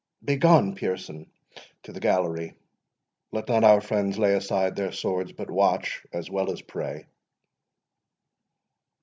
Begone, Pearson, to the gallery. Let not our friends lay aside their swords, but watch as well as pray."